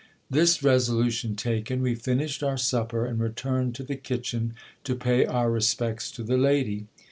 This resolution taken, we finished our supper, and returned to the kitchen to pay our respects to the lady.